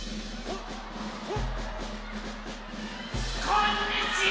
こんにちは！